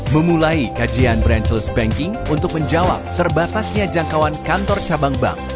memulai kajian branchles banking untuk menjawab terbatasnya jangkauan kantor cabang bank